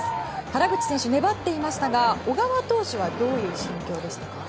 原口選手、粘っていましたが小川投手はどういう心境でしたか。